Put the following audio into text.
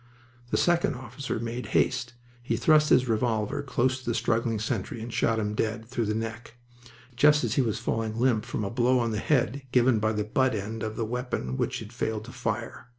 The second officer made haste. He thrust his revolver close to the struggling sentry and shot him dead, through the neck, just as he was falling limp from a blow on the head given by the butt end of the weapon which had failed to fire.